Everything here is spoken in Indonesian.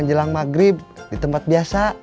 sama jelang maghrib di tempat biasa